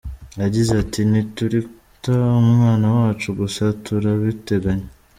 Yagize ati : “Ntiturita umwana wacu, gusa turabiteganya.